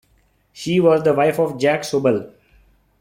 She was the wife of Jack Soble.